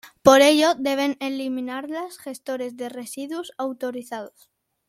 Por ello, deben eliminarlas gestores de residuos autorizados.